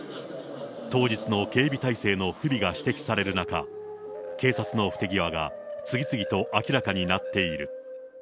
当日の警備態勢の不備が指摘される中、警察の不手際が次々と明らかになっている。